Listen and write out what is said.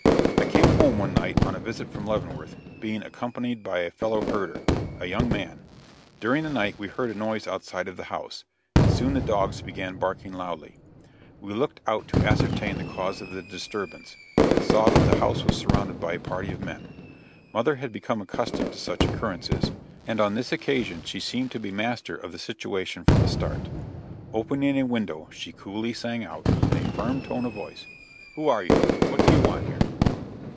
I came home one night on a visit from Leavenworth, being accompanied by a fellow herder a young man. During the night we heard a noise outside of the house, and soon the dogs began barking loudly. We looked out to ascertain the cause of the disturbance, and saw that the house was surrounded by a party of men. Mother had become accustomed to such occurrences, and on this occasion she seemed to be master of the situation from the start. Opening a window, she coolly sang out, in a firm tone of voice: "Who are you? What do you want here?"